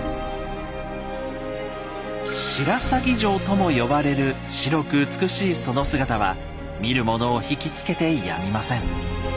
「白鷺城」とも呼ばれる白く美しいその姿は見る者を引き付けてやみません。